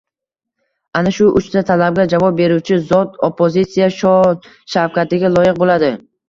Ana shu uchta talabga javob beruvchi zot... oppozitsiya shon-shavkatiga loyiq bo‘ladi.